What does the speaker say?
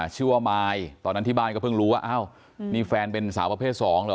ชื่อว่ามายตอนนั้นที่บ้านก็เพิ่งรู้ว่าอ้าวนี่แฟนเป็นสาวประเภทสองเหรอ